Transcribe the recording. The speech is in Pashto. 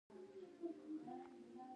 کور مي جارو کی او لوښي مي پرېولل.